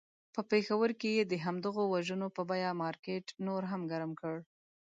په پېښور کې یې د همدغو وژنو په بیه مارکېټ نور هم ګرم کړ.